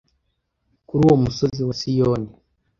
Kuri uwo musozi wa Sioni,